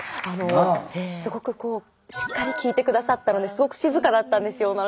すごくこうしっかり聴いて下さったのですごく静かだったんですよ。